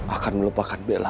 akan melupakan bella